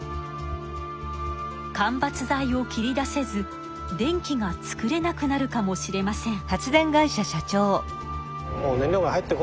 間伐材を切り出せず電気が作れなくなるかもしれません。